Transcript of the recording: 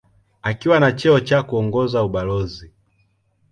Akiwa na cheo cha kuongoza ubalozi.